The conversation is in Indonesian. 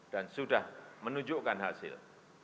dan sudah menunjukkan hasil